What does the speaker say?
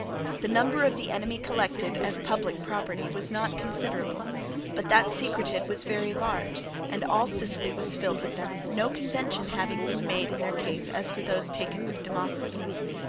The number of the enemy collected as public property was not considerable; but that secreted was very large, and all Sicily was filled with them, no convention having been made in their case as for those taken with Demosthenes.